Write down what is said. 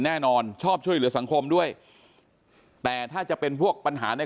แน่นอนชอบช่วยเหลือสังคมด้วยแต่ถ้าจะเป็นพวกปัญหาใน